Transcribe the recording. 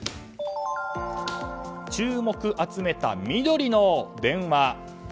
注目集めた緑の電話。